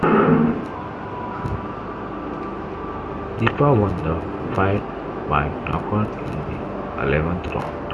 Dieppa won the fight by knockout in the eleventh round.